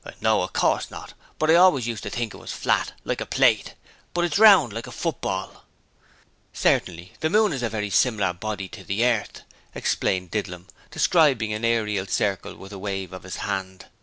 'No, of course not, but I always used to think it was flat like a plate, but it's round like a football.' 'Certainly: the moon is a very simler body to the earth,' explained Didlum, describing an aerial circle with a wave of his hand.